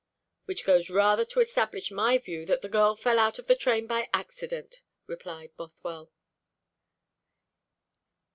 "Which goes rather to establish my view that the girl fell out of the train by accident," replied Bothwell.